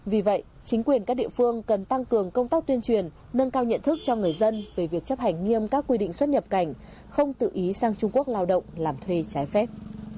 vì vậy chính quyền các địa phương cần tăng cường công tác tuyên truyền nâng cao nhận thức cho người dân về việc chấp hành nghiêm các quy định xuất nhập cảnh không tự ý sang trung quốc lao động làm thuê trái phép